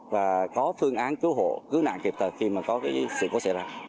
và có phương án cứu hộ cứu nạn kịp thời khi mà có sự cố xảy ra